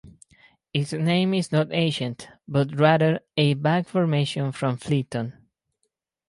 Its name is not ancient, but rather a back formation from Flitton.